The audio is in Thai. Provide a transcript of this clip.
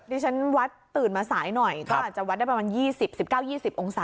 ดิฉันวัดตื่นมาสายหน่อยก็อาจจะวัดได้ประมาณ๒๐๑๙๒๐องศา